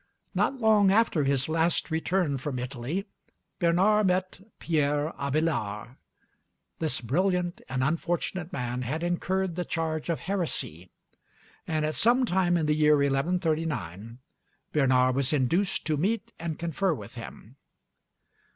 Not long after his last return from Italy, Bernard met Pierre Abélard. This brilliant and unfortunate man had incurred the charge of heresy, and at some time in the year 1139 Bernard was induced to meet and confer with him.